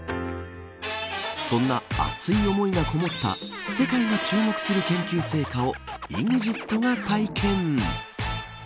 そんな熱い思いがこもった世界が注目する研究成果をＥＸＩＴが体験。